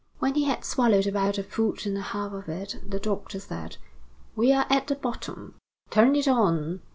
When he had swallowed about a foot and a half of it, the doctor said: "We are at the bottom. Turn it on!"